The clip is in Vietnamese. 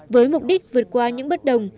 với mục đích vượt qua những bất đồng